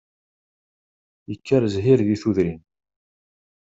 Yekker zzhir di tudrin